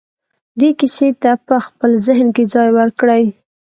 دې کيسې ته په خپل ذهن کې ځای ورکړئ.